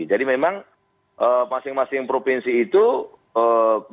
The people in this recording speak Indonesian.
jadi memang masing masing provinsi itu bisa mendukung